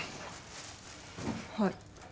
はい。